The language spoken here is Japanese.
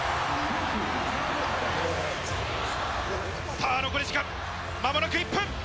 さあ、残り時間まもなく１分。